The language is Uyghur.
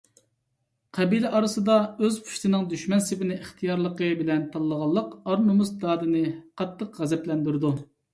قەبىلە ئارىسىدا ئۆز پۇشتىنىڭ دۈشمەن سېپىنى ئىختىيارلىقى بىلەن تاللىغانلىق ئار - نومۇس دادىنى قاتتىق غەزەپلەندۈرىدۇ.